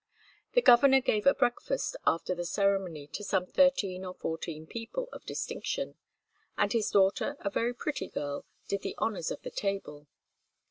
The governor gave a breakfast after the ceremony to some thirteen or fourteen people of distinction, and his daughter, a very pretty girl, did the honours of the table.